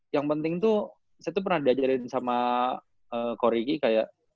yang penting tuh saya tuh pernah diajarin sama korigi kayak